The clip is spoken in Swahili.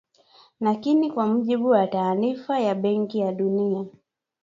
Lakini kwa mujibu wa taarifa ya Benki ya Dunia